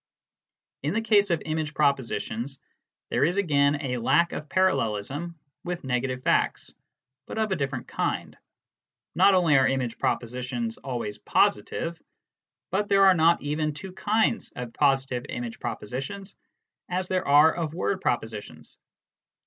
In the case of image propositions, there is again a lack of parallelism with negative facts, but of a different kind. Not only are image propositions always positive, but there are not even two kinds of positive image propositions as there are of word propositions.